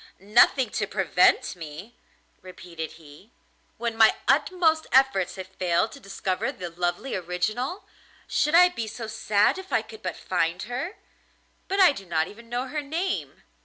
'Nothing to prevent me!' repeated he, 'when my utmost efforts have failed to discover the lovely original. Should I be so sad if I could but find her? But I do not even know her name.